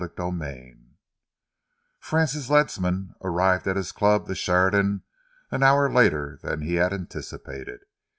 CHAPTER II Francis Ledsam arrived at his club, the Sheridan, an hour later than he had anticipâtéd.